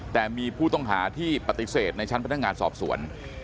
แต่มีผู้ต้องหาที่ปฏิเสธในชั้นพนักงานสอบสวน